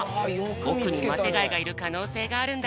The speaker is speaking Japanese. おくにマテがいがいるかのうせいがあるんだって。